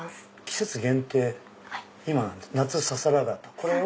「季節限定夏ささらがた」。